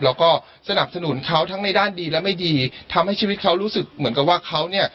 แล้วก็สนับสนุนเขาทั้งในด้านดีและไม่ดีทำให้ชีวิตเขารู้สึกเหมือนกับว่าเขาเนี่ย